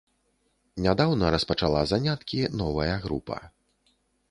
Нядаўна распачала заняткі новая група.